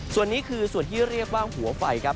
ส่วนนี้คือส่วนที่เรียกว่าหัวไฟครับ